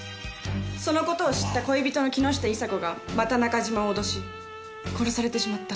その事を知った恋人の木下伊沙子がまた中島を脅し殺されてしまった。